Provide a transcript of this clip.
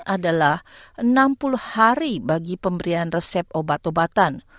adalah enam puluh hari bagi pemberian resep obat obatan